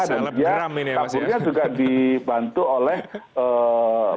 dan dia kaburnya juga dibantu oleh petugas